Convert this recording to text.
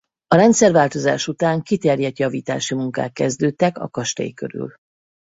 A rendszerváltozás után kiterjedt javítási munkák kezdődtek a kastély körül.